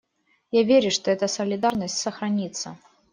Я верю, что эта солидарность сохранится.